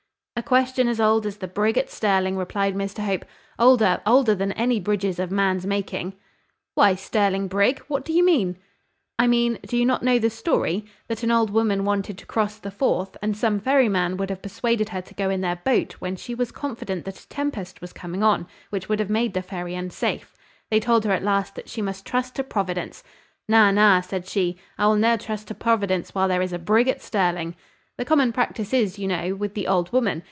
"A question as old as the brigg at Stirling," replied Mr Hope; "older, older than any bridges of man's making." "Why Stirling brigg? What do you mean?" "I mean do not you know the story? that an old woman wanted to cross the Forth, and some ferrymen would have persuaded her to go in their boat when she was confident that a tempest was coming on, which would have made the ferry unsafe. They told her at last that she must trust to Providence. `Na, na,' said she, `I will ne'er trust to Providence while there is a brigg at Stirling.' The common practice is, you know, with the old woman.